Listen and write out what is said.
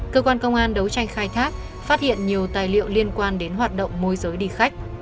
cơ quan công an đấu tranh khai thác phát hiện nhiều tài liệu liên quan đến hoạt động môi giới đi khách